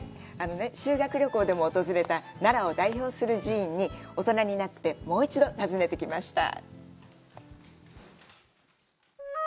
修学旅行でも訪れた奈良を代表する寺院に大人になってもう一度、訪ねてきました。